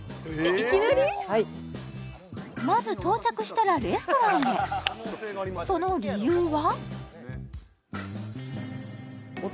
まず到着したらレストランへその理由は？